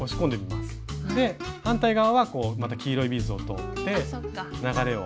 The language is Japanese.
で反対側はまた黄色いビーズを通って流れを。